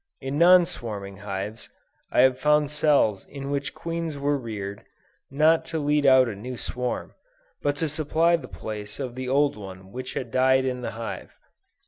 In non swarming hives, I have found cells in which queens were reared, not to lead out a new swarm, but to supply the place of the old one which had died in the hive.